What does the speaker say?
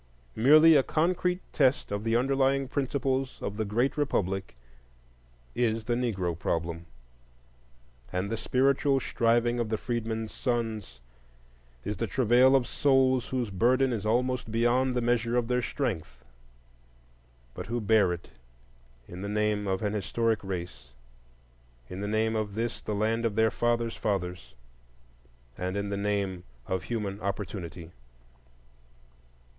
Merely a concrete test of the underlying principles of the great republic is the Negro Problem, and the spiritual striving of the freedmen's sons is the travail of souls whose burden is almost beyond the measure of their strength, but who bear it in the name of an historic race, in the name of this the land of their fathers' fathers, and in the name of human opportunity.